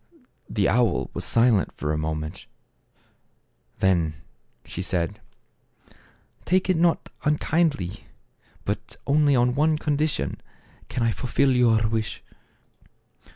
The owl was silent for a moment. Then she said, " Take it not unkindly ; but only on one condition can I fulfill your wish."